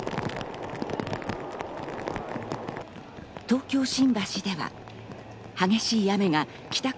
東京・新橋では激しい雨が帰宅